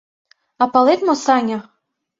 А палет мо, Саня!